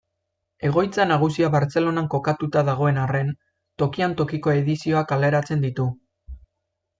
Egoitza nagusia Bartzelonan kokatuta dagoen arren, tokian-tokiko edizioak kaleratzen ditu.